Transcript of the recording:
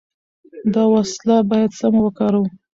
دا وسیله باید سمه وکاروو.